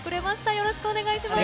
よろしくお願いします。